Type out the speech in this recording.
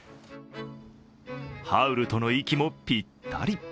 ハウルとの息もぴったり。